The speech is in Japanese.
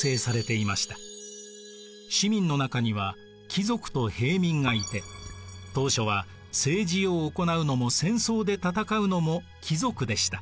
市民の中には貴族と平民がいて当初は政治を行うのも戦争で戦うのも貴族でした。